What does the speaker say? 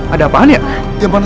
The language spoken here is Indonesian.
ada apaan ya